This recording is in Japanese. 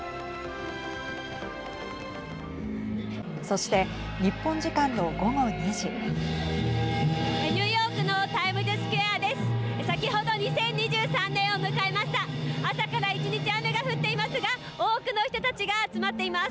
そして、日本時間の午後２時ニューヨークのタイムズスクエアです。